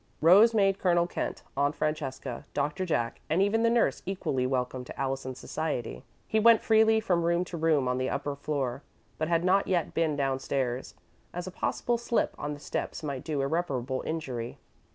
Rose made Colonel Kent, Aunt Francesca, Doctor Jack, and even the nurse equally welcome to Allison's society. He went freely from room to room on the upper floor, but had not yet been downstairs, as a possible slip on the steps might do irreparable injury.